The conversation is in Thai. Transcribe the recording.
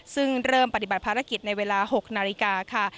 ซึ่งเริ่มปฏิบัติภารกิจในเวลา๖นาฬิกาค่ะ